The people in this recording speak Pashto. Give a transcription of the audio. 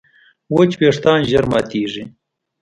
وچ وېښتيان ژر ماتېږي.